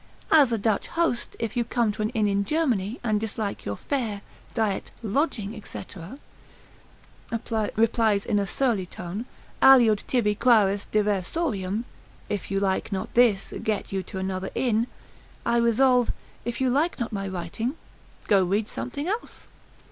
As a Dutch host, if you come to an inn in. Germany, and dislike your fare, diet, lodging, &c., replies in a surly tone, aliud tibi quaeras diversorium, if you like not this, get you to another inn: I resolve, if you like not my writing, go read something else.